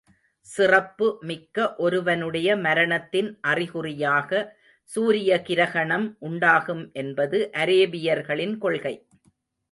சிறப்பு மிக்க ஒருவனுடைய மரணத்தின் அறிகுறியாக சூரிய கிரஹணம் உண்டாகும் என்பது அரேபியர்களின் கொள்கை.